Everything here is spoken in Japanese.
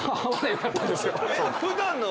普段の。